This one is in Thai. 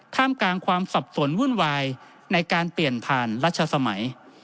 ท่ามกลางความสับสนวุ่นวายในการเปลี่ยนผ่านรัชสมัย